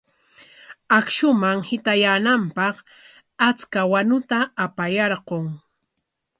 Akshuman hitayaananpaq achka wanuta apayarqun.